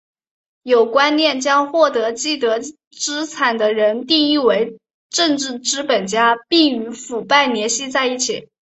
有观念将获得既得资产的人定义为政治资本家并与腐败联系在一起。